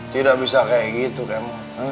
tidak bisa kayak gitu kan